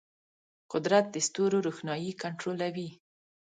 قدرت د ستورو روښنايي کنټرولوي.